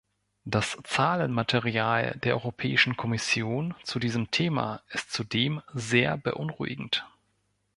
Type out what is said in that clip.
Das Zahlenmaterial der Europäischen Kommission zu diesem Thema ist zudem sehr beunruhigend.